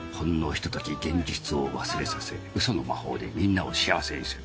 ひととき現実を忘れさせウソの魔法でみんなを幸せにする。